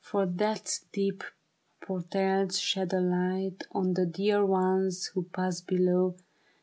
For Death's deep portals shed a light On the dear ones who pass below.